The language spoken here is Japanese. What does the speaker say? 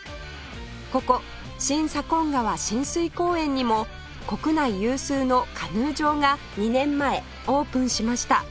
ここ新左近川親水公園にも国内有数のカヌー場が２年前オープンしました